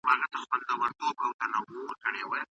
زه غواړم چې په راتلونکي کې یو ښه لوبغاړی شم.